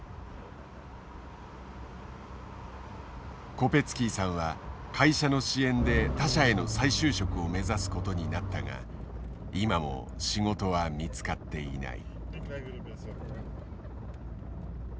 コペツキーさんは会社の支援で他社への再就職を目指すことになったが今も仕事は見つかっていない。